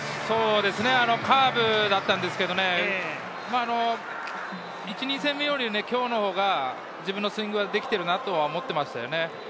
カーブだったんですけれど、１戦目、２戦目より今日のほうが自分のスイングができていると思っていました。